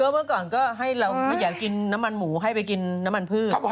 เมื่อก่อนก็ให้เราไม่อยากกินน้ำมันหมูให้ไปกินน้ำมันพืช